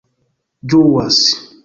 ĝuas